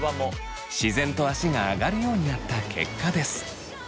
自然と足が上がるようになった結果です。